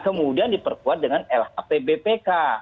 kemudian diperkuat dengan lhpbpk